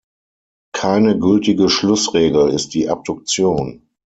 Keine gültige Schlussregel ist die Abduktion.